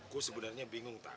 gua sebenarnya bingung tar